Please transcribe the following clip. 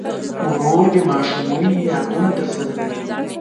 ورور د ماشومۍ یادونه درسره لري.